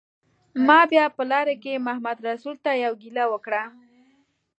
ما بیا په لاره کې محمدرسول ته یوه ګیله وکړه.